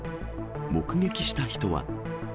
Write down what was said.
目撃した人は。